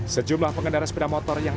sejumlah pengendara sepeda motor yang